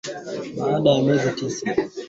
Mfuko wa nyongo hutanuka